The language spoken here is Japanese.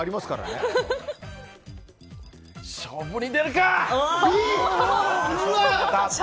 勝負に出るか！